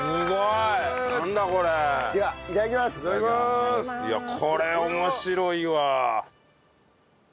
いやこれ面白いわ。